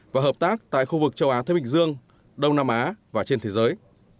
và hợp tác tại khu vực châu á thế bình dương đông nam á và trên thế giới